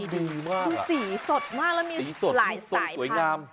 ดีสีสดมากแล้วมีหลายสายผัก